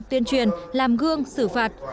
tuyên truyền làm gương xử phạt